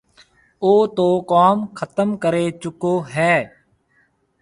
او تو ڪوم ختم ڪريَ چڪو هيَ۔